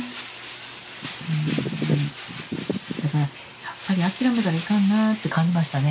だからやっぱり諦めたらいかんなって感じましたね。